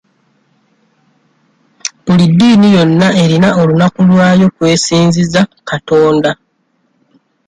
Buli ddiini yonna erina olunaku olwayo kw'esinziza Katonda.